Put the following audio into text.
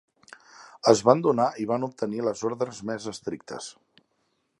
Es van donar i van obtenir les ordres més estrictes.